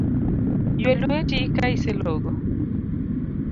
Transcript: Ywe lweti ka iselogo.